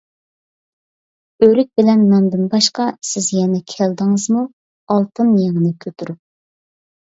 ئۆرۈك بىلەن ناندىن باشقا سىز يەنە، كەلدىڭىزمۇ «ئالتۇن يىڭنە» كۆتۈرۈپ.